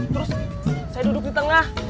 terus saya duduk di tengah